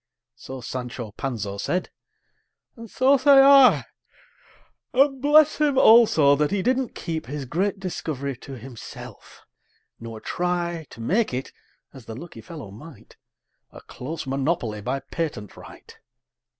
So Sancho Panza said, and so say I: And bless him, also, that he didn't keep His great discovery to himself; nor try To make it as the lucky fellow might A close monopoly by patent right!